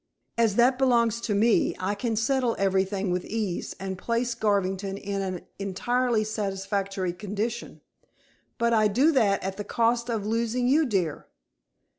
As that belongs to me, I can settle everything with ease, and place Garvington in an entirely satisfactory condition. But I do that at the cost of losing you, dear.